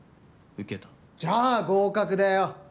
じゃあ合格だよ。